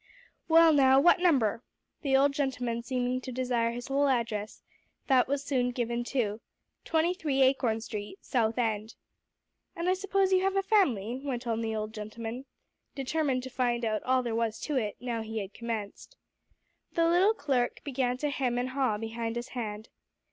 "Well, now what number?" The old gentleman seeming to desire his whole address, that was soon given too, "23 Acorn Street, South End." "And I suppose you have a family?" went on the old gentleman, determined to find out all there was to it, now he had commenced. The little clerk began to hem and to haw, behind his hand.